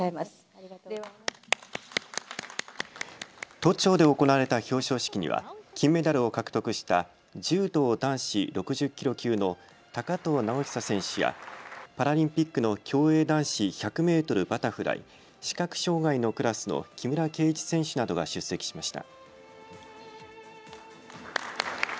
都庁で行われた表彰式には金メダルを獲得した柔道男子６０キロ級の高藤直寿選手や、パラリンピックの競泳男子１００メートルバタフライ視覚障害のクラスの木村敬一選手などが出席しました。